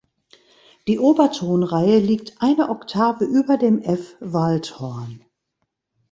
Die Obertonreihe liegt eine Oktave über dem F-Waldhorn.